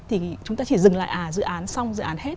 thì chúng ta chỉ dừng lại à dự án xong dự án hết